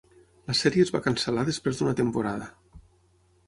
La sèrie es va cancel·lar després d'una temporada.